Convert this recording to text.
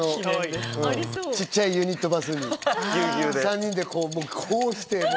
小っちゃいユニットバスに３人でこうして。